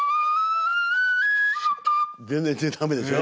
全然駄目でしょ。